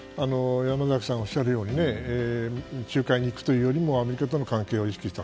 山崎さんがおっしゃるようにね仲介に行くというよりもアメリカとの関係を意識した。